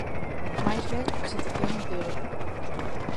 Máis ben a situación empeora.